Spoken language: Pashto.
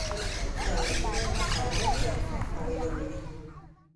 دولتونه مقررات ټاکي او اعلاموي.